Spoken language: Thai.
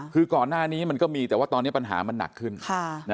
คือก่อนหน้านี้มันก็มีแต่ว่าตอนนี้ปัญหามันหนักขึ้น